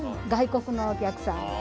外国のお客さん。